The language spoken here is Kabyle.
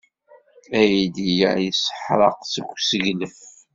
Aydi-a yesseḥraq seg usseglef.